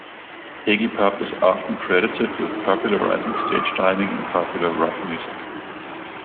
Iggy Pop is often credited with popularising stage diving in popular rock music.